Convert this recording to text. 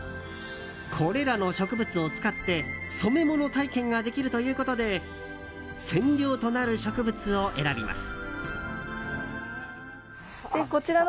これらの植物を使って染め物体験ができるということで染料となる植物を選びます。